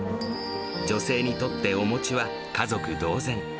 女性にとっておもちは家族同然。